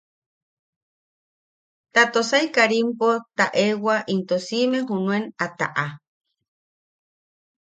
Ta Tosai Karimpo taʼewa into siʼime junen a taʼa.